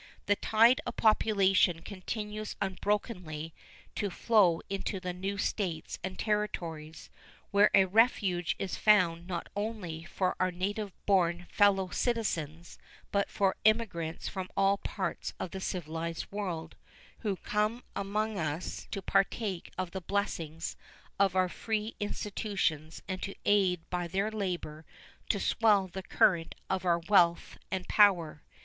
The tide of population continues unbrokenly to flow into the new States and Territories, where a refuge is found not only for our native born fellow citizens, but for emigrants from all parts of the civilized world, who come among us to partake of the blessings of our free institutions and to aid by their labor to swell the current of our wealth and power.